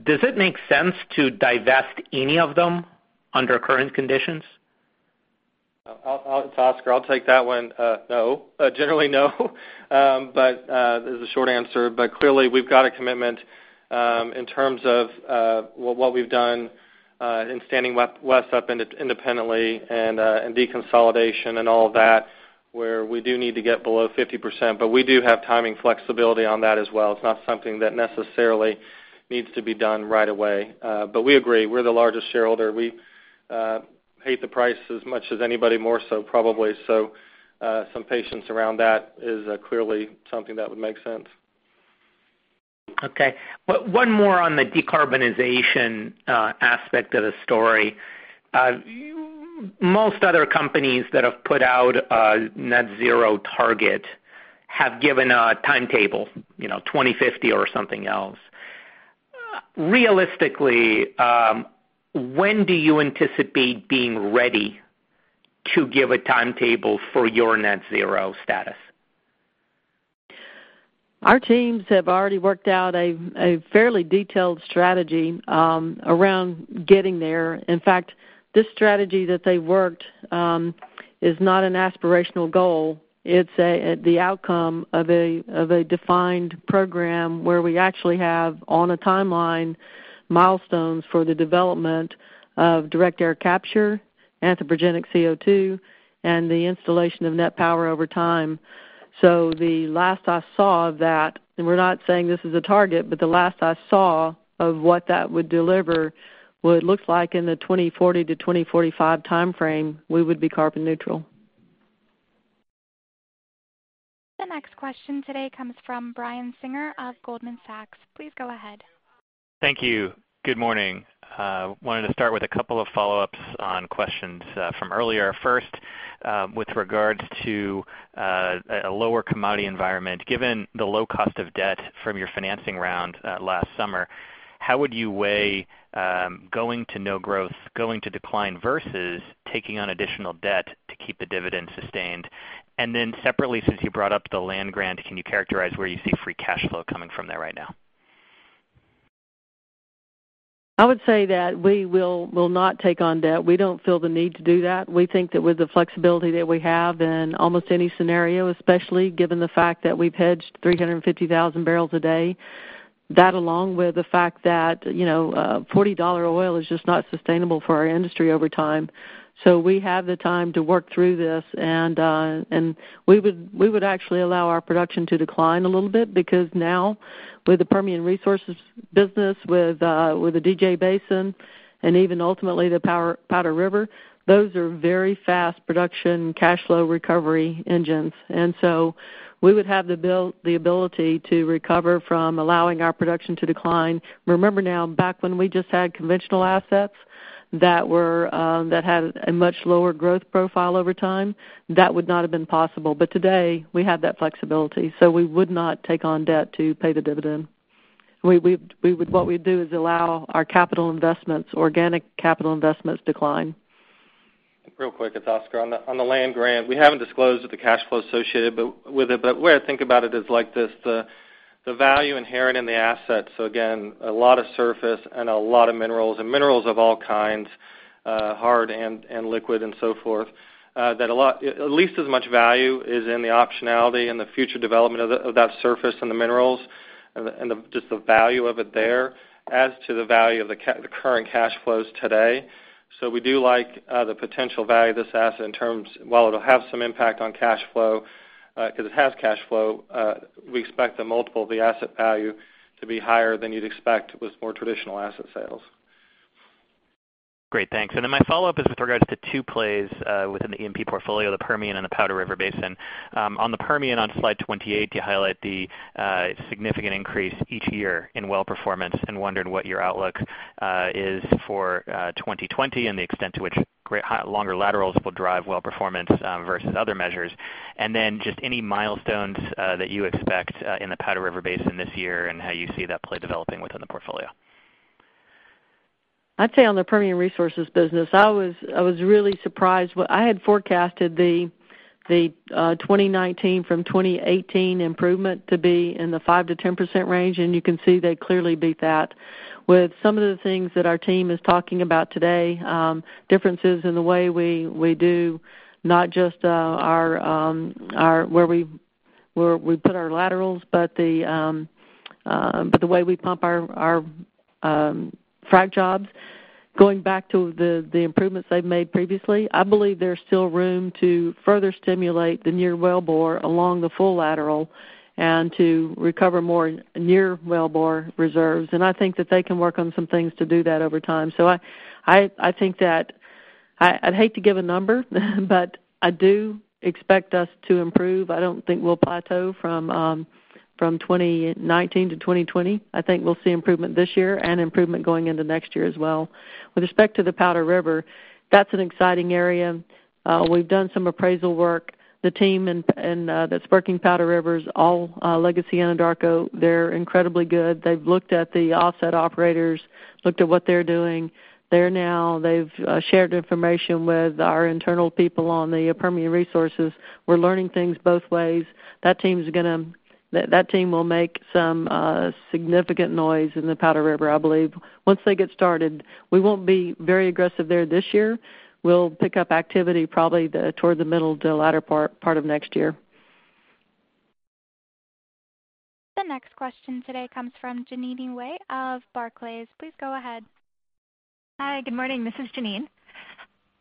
does it make sense to divest any of them under current conditions? It's Oscar, I'll take that one. No. Generally, no, is the short answer. Clearly, we've got a commitment, in terms of what we've done in standing West up independently and deconsolidation and all of that, where we do need to get below 50%. We do have timing flexibility on that as well. It's not something that necessarily needs to be done right away. We agree. We're the largest shareholder. We hate the price as much as anybody, more so probably. Some patience around that is clearly something that would make sense. Okay. One more on the decarbonization aspect of the story. Most other companies that have put out a net zero target have given a timetable, 2050 or something else. Realistically, when do you anticipate being ready to give a timetable for your net zero status? Our teams have already worked out a fairly detailed strategy around getting there. This strategy that they worked is not an aspirational goal. It's the outcome of a defined program where we actually have, on a timeline, milestones for the development of direct air capture, anthropogenic CO2, and the installation of NET Power over time. The last I saw of that, and we're not saying this is a target, but the last I saw of what that would deliver would look like in the 2040 to 2045 timeframe, we would be carbon neutral. The next question today comes from Brian Singer of Goldman Sachs. Please go ahead. Thank you. Good morning. Wanted to start with a couple of follow-ups on questions from earlier. With regards to a lower commodity environment. Given the low cost of debt from your financing round last summer, how would you weigh going to no growth, going to decline, versus taking on additional debt to keep the dividend sustained? Separately, since you brought up the land grant, can you characterize where you see free cash flow coming from there right now? I would say that we will not take on debt. We don't feel the need to do that. We think that with the flexibility that we have in almost any scenario, especially given the fact that we've hedged 350,000 barrels a day, that along with the fact that $40 oil is just not sustainable for our industry over time. We have the time to work through this, and we would actually allow our production to decline a little bit, because now with the Permian Resources business, with the DJ Basin, and even ultimately the Powder River, those are very fast production cash flow recovery engines. We would have the ability to recover from allowing our production to decline. Remember now, back when we just had conventional assets that had a much lower growth profile over time, that would not have been possible. Today, we have that flexibility, so we would not take on debt to pay the dividend. What we'd do is allow our organic capital investments decline. Real quick, it's Oscar. On the land grant, we haven't disclosed the cash flow associated with it, but the way I think about it is like this. The value inherent in the assets, so again, a lot of surface and a lot of minerals, and minerals of all kinds, hard and liquid and so forth, that at least as much value is in the optionality and the future development of that surface and the minerals and just the value of it there as to the value of the current cash flows today. We do like the potential value of this asset in terms, while it'll have some impact on cash flow, because it has cash flow, we expect the multiple of the asset value to be higher than you'd expect with more traditional asset sales. Great, thanks. My follow-up is with regards to two plays within the E&P portfolio, the Permian and the Powder River Basin. On the Permian, on slide 28, you highlight the significant increase each year in well performance and wondered what your outlook is for 2020 and the extent to which longer laterals will drive well performance versus other measures. Just any milestones that you expect in the Powder River Basin this year and how you see that play developing within the portfolio. I'd say on the Permian Resources business, I was really surprised. I had forecasted the 2019 from 2018 improvement to be in the 5%-10% range, and you can see they clearly beat that. With some of the things that our team is talking about today, differences in the way we do not just where we put our laterals, but the way we pump our frac jobs. Going back to the improvements they've made previously, I believe there's still room to further stimulate the near wellbore along the full lateral and to recover more near wellbore reserves. I think that they can work on some things to do that over time. I think that I'd hate to give a number, but I do expect us to improve. I don't think we'll plateau from 2019 to 2020. I think we'll see improvement this year and improvement going into next year as well. With respect to the Powder River, that's an exciting area. We've done some appraisal work. The team that's working Powder River is all legacy Anadarko. They're incredibly good. They've looked at the offset operators, looked at what they're doing. They've shared information with our internal people on the Permian Resources. We're learning things both ways. That team will make some significant noise in the Powder River, I believe. Once they get started, we won't be very aggressive there this year. We'll pick up activity probably toward the middle to the latter part of next year. The next question today comes from Jeanine Wai of Barclays. Please go ahead. Hi, good morning. This is Jeanine.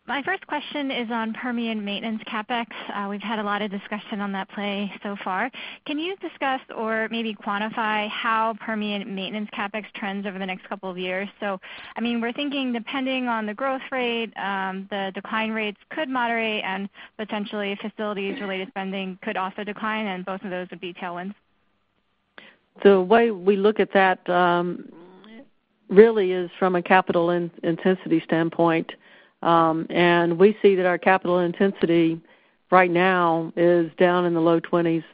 My first question is on Permian maintenance CapEx. We've had a lot of discussion on that play so far. Can you discuss or maybe quantify how Permian maintenance CapEx trends over the next couple of years? We're thinking depending on the growth rate, the decline rates could moderate and potentially facilities-related spending could also decline, and both of those would be tailwinds. The way we look at that really is from a capital intensity standpoint. We see that our capital intensity right now is down in the low 20s.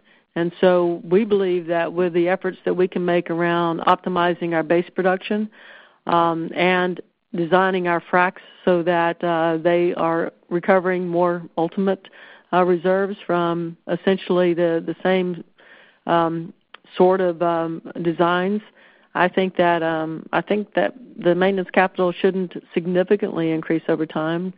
We believe that with the efforts that we can make around optimizing our base production and designing our fracs so that they are recovering more ultimate reserves from essentially the same sort of designs, I think that the maintenance capital shouldn't significantly increase over time.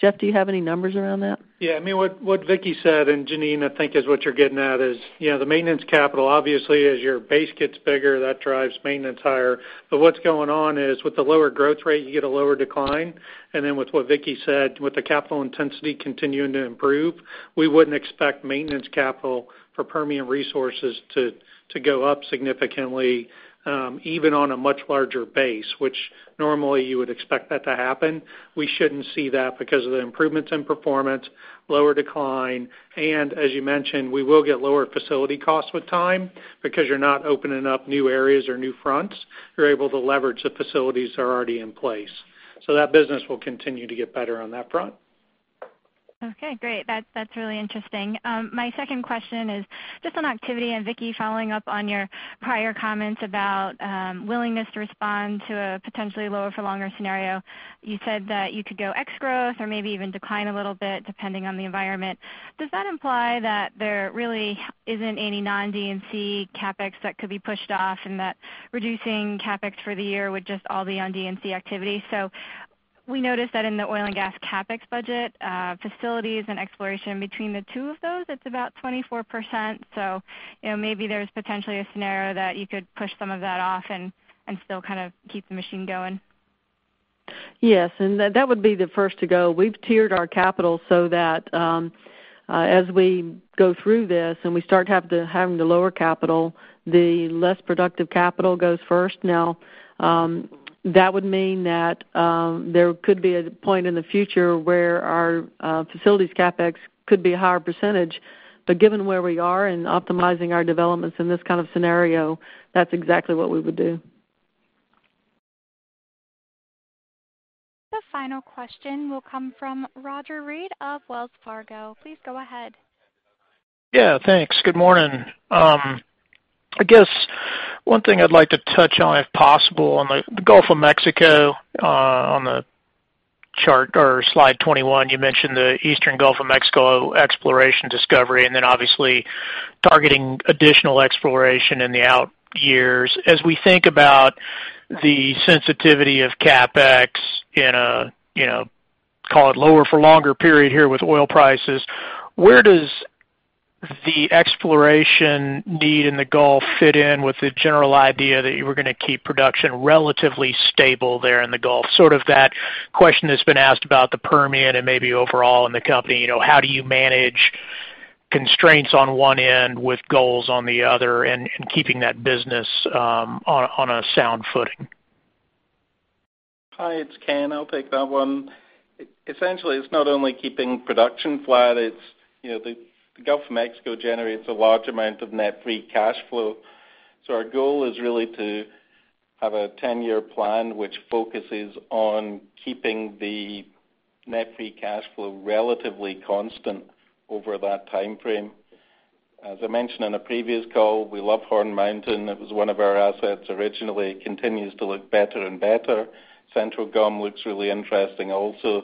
Jeff, do you have any numbers around that? Yeah. What Vicki said, and Jeanine, I think is what you're getting at is, the maintenance capital, obviously as your base gets bigger, that drives maintenance higher. What's going on is with the lower growth rate, you get a lower decline. With what Vicki said, with the capital intensity continuing to improve, we wouldn't expect maintenance capital for Permian Resources to go up significantly, even on a much larger base, which normally you would expect that to happen. We shouldn't see that because of the improvements in performance, lower decline, and as you mentioned, we will get lower facility costs with time because you're not opening up new areas or new fronts. You're able to leverage the facilities that are already in place. That business will continue to get better on that front. Okay, great. That's really interesting. My second question is just on activity, and Vicki, following up on your prior comments about willingness to respond to a potentially lower for longer scenario. You said that you could go ex growth or maybe even decline a little bit depending on the environment. Does that imply that there really isn't any non-D&C CapEx that could be pushed off and that reducing CapEx for the year with just all the on D&C activity? We noticed that in the oil and gas CapEx budget, facilities and exploration, between the two of those, it's about 24%. Maybe there's potentially a scenario that you could push some of that off and still kind of keep the machine going. Yes. That would be the first to go. We've tiered our capital so that as we go through this, and we start having to lower capital, the less productive capital goes first. Now, that would mean that there could be a point in the future where our facilities CapEx could be a higher %. Given where we are in optimizing our developments in this kind of scenario, that's exactly what we would do. The final question will come from Roger Read of Wells Fargo. Please go ahead. Yeah, thanks. Good morning. I guess one thing I'd like to touch on, if possible, on the Gulf of Mexico. On the chart or slide 21, you mentioned the Eastern Gulf of Mexico exploration discovery, obviously targeting additional exploration in the out years. As we think about the sensitivity of CapEx in a, call it lower for longer period here with oil prices, where does the exploration need in the Gulf fit in with the general idea that you were going to keep production relatively stable there in the Gulf? Sort of that question that's been asked about the Permian and maybe overall in the company. How do you manage constraints on one end with goals on the other and keeping that business on a sound footing? Hi, it's Ken. I'll take that one. Essentially, it's not only keeping production flat, the Gulf of Mexico generates a large amount of net free cash flow. Our goal is really to have a 10-year plan which focuses on keeping the net free cash flow relatively constant over that timeframe. As I mentioned on a previous call, we love Horn Mountain. It was one of our assets originally. It continues to look better and better. Central GOM looks really interesting also.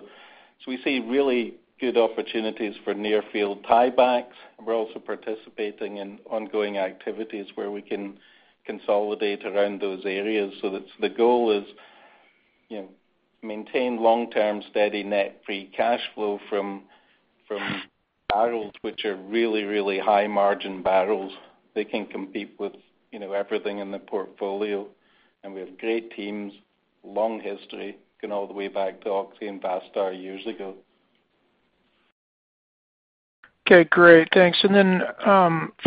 We see really good opportunities for near field tie-backs, and we're also participating in ongoing activities where we can consolidate around those areas. The goal is maintain long-term steady net free cash flow from barrels which are really high margin barrels. They can compete with everything in the portfolio. We have great teams, long history, going all the way back to Oxy and Vastar years ago. Okay, great. Thanks.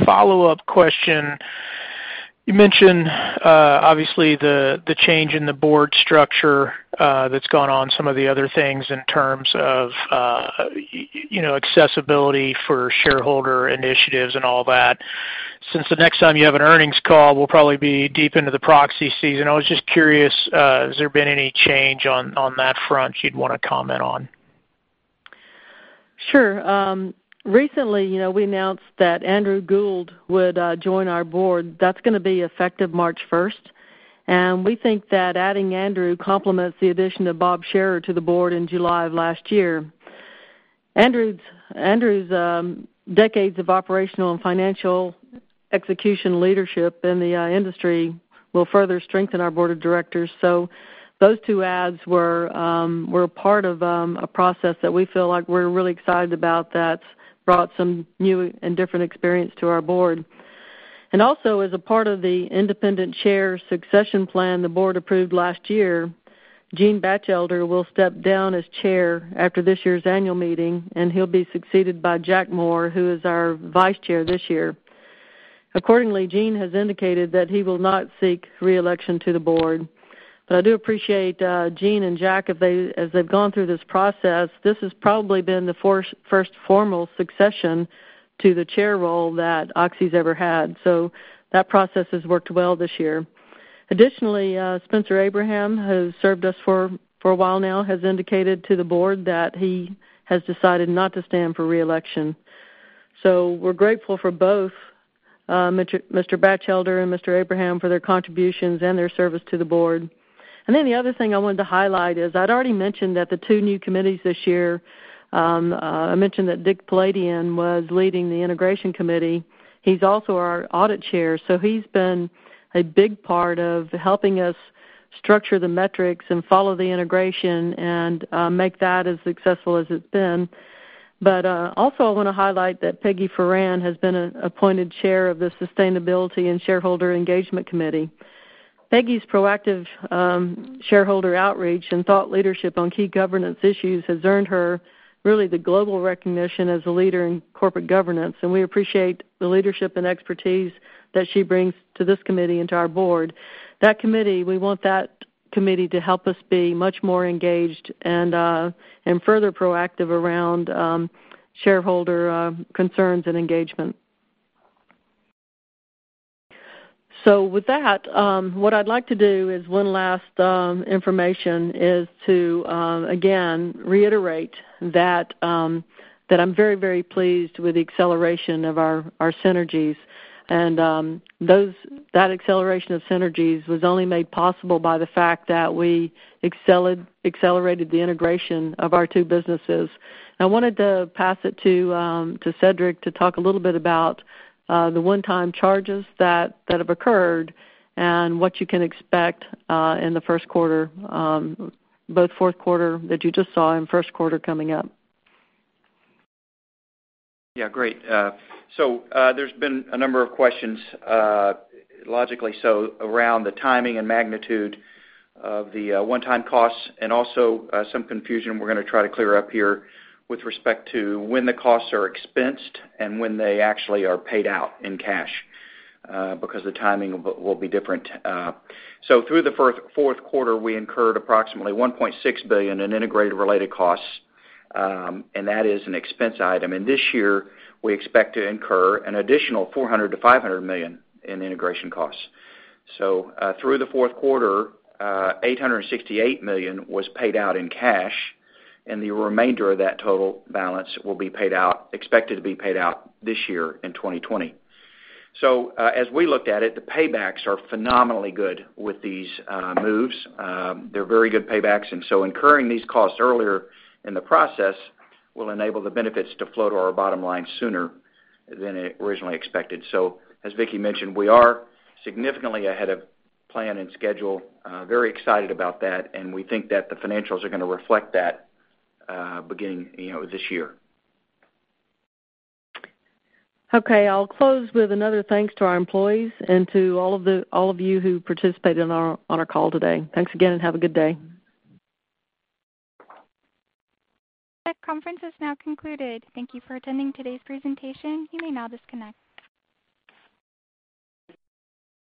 Follow-up question. You mentioned, obviously the change in the board structure that's gone on, some of the other things in terms of accessibility for shareholder initiatives and all that. Since the next time you have an earnings call will probably be deep into the proxy season, I was just curious, has there been any change on that front you'd want to comment on? Sure. Recently, we announced that Andrew Gould would join our board. That's going to be effective March 1st. We think that adding Andrew complements the addition of Bob Shearer to the board in July of last year. Andrew's decades of operational and financial execution leadership in the industry will further strengthen our Board of Directors. Those two adds were a part of a process that we feel like we're really excited about that's brought some new and different experience to our board. As a part of the independent Chair succession plan the Board approved last year, Gene Batchelder will step down as Chair after this year's annual meeting, and he'll be succeeded by Jack Moore, who is our Vice Chair this year. Accordingly, Gene has indicated that he will not seek re-election to the board. I do appreciate Gene and Jack as they've gone through this process. This has probably been the first formal succession to the chair role that Oxy's ever had. That process has worked well this year. Additionally, Spencer Abraham, who's served us for a while now, has indicated to the board that he has decided not to stand for re-election. We're grateful for both Mr. Batchelder and Mr. Abraham for their contributions and their service to the board. The other thing I wanted to highlight is, I'd already mentioned that the two new committees this year. I mentioned that Dick Poladian was leading the Integration Committee. He's also our Audit Chair, he's been a big part of helping us structure the metrics and follow the integration and make that as successful as it's been. Also I want to highlight that Peggy Foran has been appointed chair of the Sustainability and Shareholder Engagement Committee. Peggy's proactive shareholder outreach and thought leadership on key governance issues has earned her really the global recognition as a leader in corporate governance, and we appreciate the leadership and expertise that she brings to this committee and to our board. We want that committee to help us be much more engaged and further proactive around shareholder concerns and engagement. With that, what I'd like to do as one last information is to again reiterate that I'm very pleased with the acceleration of our synergies. That acceleration of synergies was only made possible by the fact that we accelerated the integration of our two businesses. I wanted to pass it to Cedric to talk a little bit about the one-time charges that have occurred and what you can expect in the Q1, both Q4 that you just saw and Q1 coming up. Yeah. Great. There's been a number of questions, logically so, around the timing and magnitude of the one-time costs and also some confusion we're going to try to clear up here with respect to when the costs are expensed and when they actually are paid out in cash because the timing will be different. Through the Q4, we incurred approximately $1.6 billion in integrated related costs. That is an expense item. This year, we expect to incur an additional $400 million-$500 million in integration costs. Through the Q4, $868 million was paid out in cash, and the remainder of that total balance will be expected to be paid out this year in 2020. As we looked at it, the paybacks are phenomenally good with these moves. They're very good paybacks. Incurring these costs earlier in the process will enable the benefits to flow to our bottom line sooner than originally expected. As Vicki mentioned, we are significantly ahead of plan and schedule. We are very excited about that. We think that the financials are going to reflect that beginning this year. Okay. I'll close with another thanks to our employees and to all of you who participated on our call today. Thanks again, and have a good day. The conference is now concluded. Thank you for attending today's presentation. You may now disconnect.